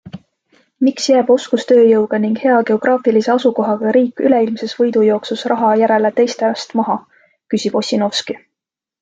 Miks jääb oskustööjõuga ning hea geograafilise asukohaga riik üleilmses võidujooksus raha järele teistest maha, küsib Ossinovski?